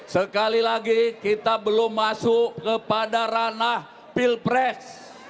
sekali lagi kita belum masuk kepada ranah pilpres